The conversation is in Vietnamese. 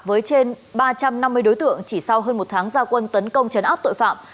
với trên ba trăm năm mươi đối tượng chỉ sau hơn một tháng gia quân tấn công chấn áp tội phạm